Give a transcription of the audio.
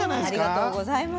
ありがとうございます。